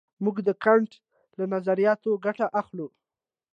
موږ د کانټ له نظریاتو ګټه اخلو.